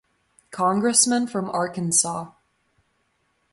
Congressman from Arkansas.